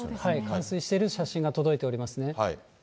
冠水している写真が届いておりますね。